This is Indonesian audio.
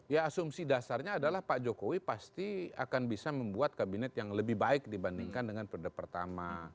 ya asumsi dasarnya adalah pak jokowi pasti akan bisa membuat kabinet yang lebih baik dibandingkan dengan periode pertama